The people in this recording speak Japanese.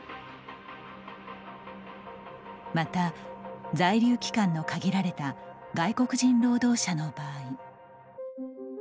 また、在留期間の限られた外国人労働者の場合。